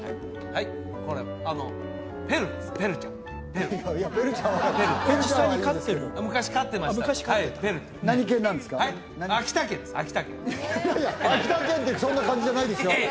いやいや秋田犬ってそんな感じじゃないですよ